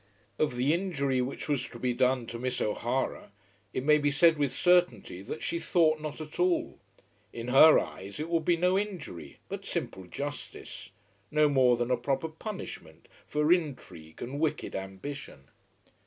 Of the injury which was to be done to Miss O'Hara, it may be said with certainty that she thought not at all. In her eyes it would be no injury, but simple justice, no more than a proper punishment for intrigue and wicked ambition.